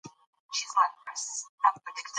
هغوی به په راتلونکي کې بریالي وي.